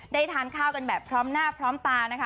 ได้ทานข้าวกันแบบพร้อมหน้าพร้อมตานะคะ